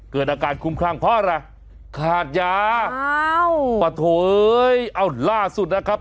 เกิดอาการคุ้มข้างพ่อล่ะขาดยาอ้าวปะโถยเอ้าล่าสุดนะครับ